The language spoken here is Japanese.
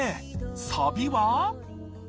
サビは？